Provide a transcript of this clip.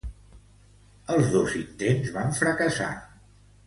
Els dos intents van fracassar.